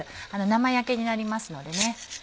生焼けになりますのでね。